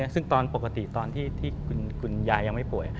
ซึ่งปกติตอนที่คุณยายยังไม่โผล่